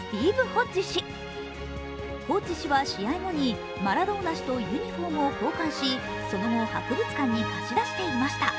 ホッジ氏は試合後にマラドーナ氏とユニフォームを交換しその後、博物館に貸し出していました。